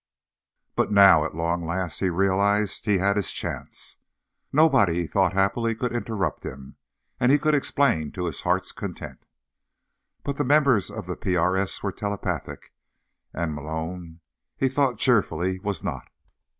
But now, at long last, he realized, he had his chance. Nobody, he thought happily, could interrupt him. And he could explain to his heart's content. Because the members of the PRS were telepathic. And Malone, he thought cheerfully, was not.